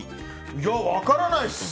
いや、分からないっす！